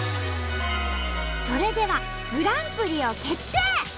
それではグランプリを決定！